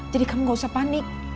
jadi kamu gak usah panik